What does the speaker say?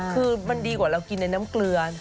คือมันดีกว่าเรากินในน้ำเกลือ